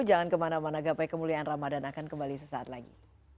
jangan kemana mana gapai kemuliaan ramadhan akan kembali sesaat lagi